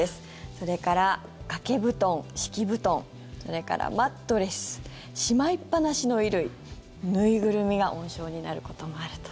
それから掛け布団、敷き布団それからマットレスしまいっぱなしの衣類縫いぐるみが温床になることもあると。